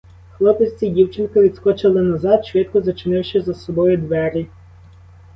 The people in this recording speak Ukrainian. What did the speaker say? Хлопець і дівчинка відскочили назад, швидко зачинивши за собою двері.